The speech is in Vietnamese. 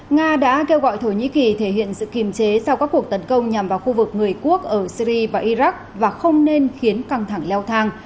nga đã kêu gọi thổ nhĩ kỳ thể hiện sự kiềm chế sau các cuộc tấn công nhằm vào khu vực người quốc ở syri và iraq và không nên khiến căng thẳng leo thang